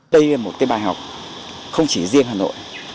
đây là một cái bài học không chỉ riêng hà nội